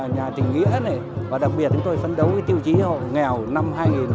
nhà tình nghĩa và đặc biệt chúng tôi phấn đấu tiêu chí nghèo năm hai nghìn một mươi tám